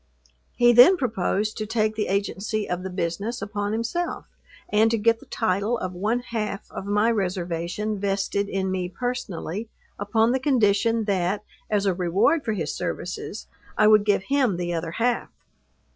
He then proposed to take the agency of the business upon himself, and to get the title of one half of my reservation vested in me personally, upon the condition that, as a reward for his services, I would give him the other half.